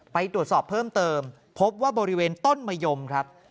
ไปตรวจสอบเพิ่มเติมพบว่าบริเวณต้นมะยมครับ